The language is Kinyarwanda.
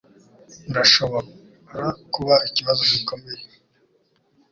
Birashobora kuba ikibazo gikomeye